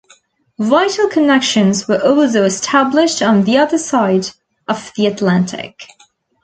Vital connections were also established on the other side of the Atlantic.